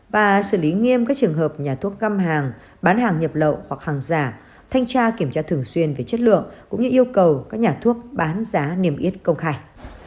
và xử lý nghiêm các trường hợp nhà thuốc găm hàng bán hàng nhập lậu hoặc hàng giả thanh tra kiểm tra thường xuyên về chất lượng cũng như yêu cầu các nhà thuốc bán giá niêm yết công khai